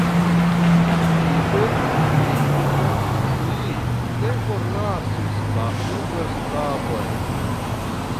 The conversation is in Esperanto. Spite tion li ne forlasis la universitaton.